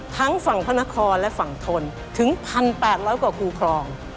ทั้งฝั่งพระนครและฝั่งทนถึง๑๘๐๐กว่าคูครอง